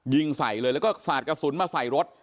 ยิงใส่เลยแล้วก็สาดกระสุนมาใส่รถ